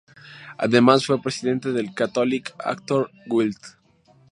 Además, fue presidente del Catholic Actor's Guild.